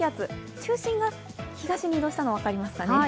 中心が東に移動したの、分かりますかね。